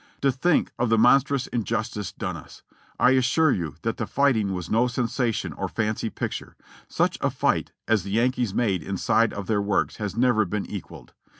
"To think of the monstrous injustice done us ! I assure you that the fighting was no sensation or fancy picture ; such a fight as the Yankees made inside of their works has never been equalled.